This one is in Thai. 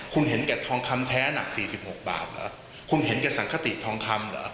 คุณเห็นแก่ทองคำแท้หนักสี่สิบหกบาทเหรอคุณเห็นแก่สังคติทองคำเหรอ